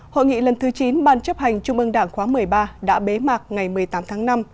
hội nghị lần thứ chín bàn chấp hành chung mương đảng khóa một mươi ba đã bế mạc ngày một mươi tám tháng năm